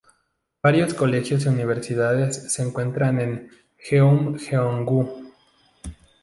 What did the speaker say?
Varios colegios y universidades se encuentran en Geumjeong-gu.